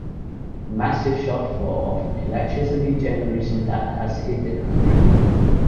The massive shortfall of electricity generation that has hit the country.